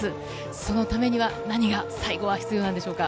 そのためには何が最後は必要なんでしょうか？